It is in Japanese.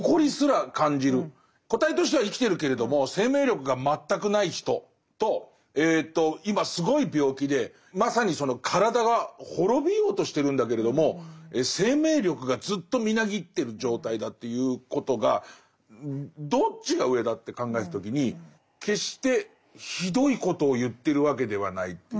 個体としては生きてるけれども生命力が全くない人と今すごい病気でまさにその体は滅びようとしてるんだけれども生命力がずっとみなぎってる状態だということがどっちが上だって考えた時に決してひどいことを言ってるわけではないっていう。